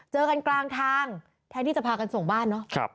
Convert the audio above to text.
เจอกันกลางทางแทนที่จะพากันส่งบ้านเนาะ